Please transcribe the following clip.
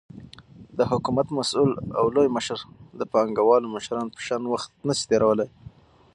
دحكومت مسؤل او لوى مشر دپانگوالو مشرانو په شان وخت نسي تيرولاى،